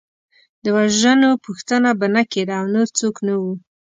د وژنو پوښتنه به نه کېده او نور څوک نه وو.